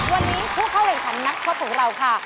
วันนี้คู่เข้าเว่งฐานนักชอบของเราค่ะ